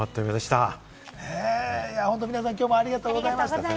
皆さん、きょうもありがとうございました。